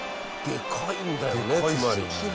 でかいですよね。